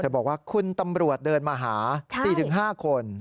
บอกว่าคุณตำรวจเดินมาหา๔๕คน